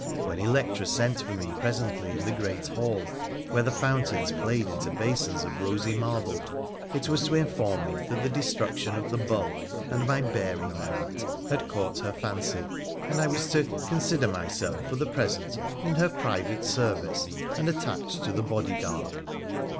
When Electra sent for me presently in the great hall, where the fountains played into basins of rosy marble, it was to inform me that the destruction of the bull, and my bearing thereat, had caught her fancy, and I was to ' consider myself for the present in her private service, and attached to the bodyguard.'